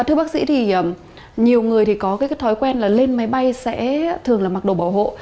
thưa bác sĩ thì nhiều người thì có cái thói quen là lên máy bay sẽ thường là mặc đồ bảo hộ